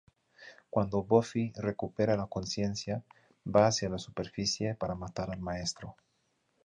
Cuando Buffy recupera la consciencia, va hacia la superficie para matar al Maestro.